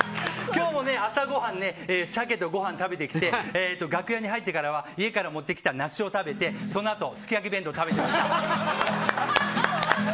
今日もね、朝ごはんシャケとご飯食べて楽屋に入ってからは家から持ってきた梨を食べてそのあとすき焼き弁当食べました。